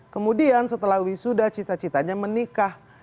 kemudian setelah wisuda cita citanya menikah